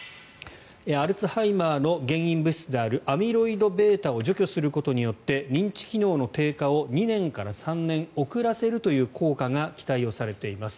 アルツハイマーの原因物質であるアミロイドβを除去することによって認知機能の低下を２年から３年遅らせるという効果が期待されています。